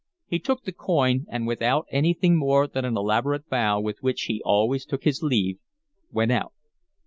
He took the coin and, without anything more than the elaborate bow with which he always took his leave, went out.